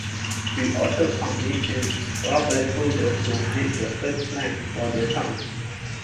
He also commissioned Robert Hoddle to make the first plan for the town.